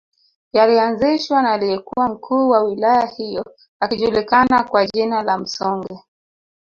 Yalianzishwa na aliyekuwa mkuu wa wilaya hiyo akijulikana kwa jina la Msonge